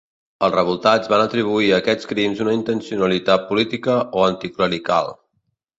Els revoltats van atribuir a aquests crims una intencionalitat política o anticlerical.